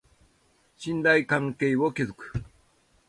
信頼関係を築く